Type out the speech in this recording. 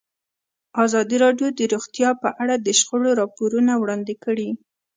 ازادي راډیو د روغتیا په اړه د شخړو راپورونه وړاندې کړي.